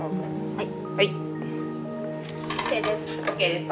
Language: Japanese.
はい。